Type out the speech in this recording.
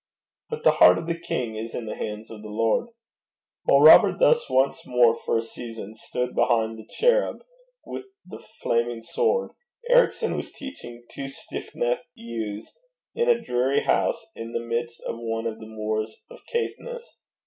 But the heart of the king is in the hands of the Lord. While Robert thus once more for a season stood behind the cherub with the flaming sword, Ericson was teaching two stiff necked youths in a dreary house in the midst of one of the moors of Caithness.